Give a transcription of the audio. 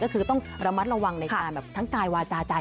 ก็คือต้องระมัดระวังในการแบบทั้งกายวาจาใจ